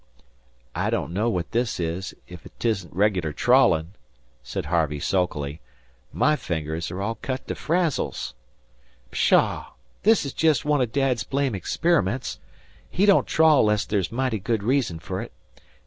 "I don't know what this is, if 'tisn't regular trawling," said Harvey sulkily. "My fingers are all cut to frazzles." "Pshaw! This is just one o' Dad's blame experiments. He don't trawl 'less there's mighty good reason fer it.